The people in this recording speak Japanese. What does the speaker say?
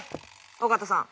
尾形さん。